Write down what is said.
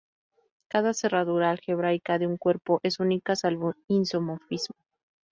Cada cerradura algebraica de un cuerpo es única salvo isomorfismo.